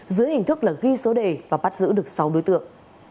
dưới hình thức là ghi số đề và bắt giữ được sáu đối tượng